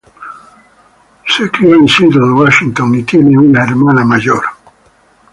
Se crio en Seattle, Washington y tiene una hermana mayor.